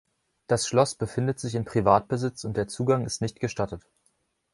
Das Schloss befindet sich in Privatbesitz und der Zugang ist nicht gestattet.